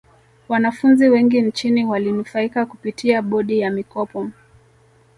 wanafunzi wengi nchini walinufaika kupitia bodi ya mikopo